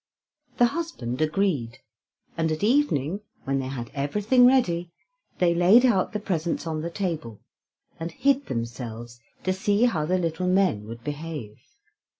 The husband agreed, and at evening, when they had everything ready, they laid out the presents on the table, and hid themselves to see how the little men would behave.